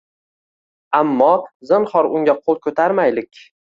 Ammo zinhor unga qo‘l ko‘tarmaylik.